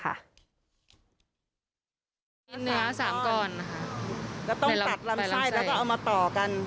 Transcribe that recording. กินเนื้อ๓ก้อนแล้วต้องตัดลำไส้แล้วก็เอามาต่อกัน